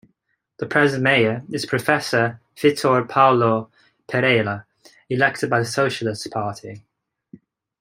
The present Mayor is Professor Vitor Paulo Pereira, elected by the Socialist Party.